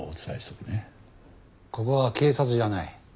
ここは警察じゃない。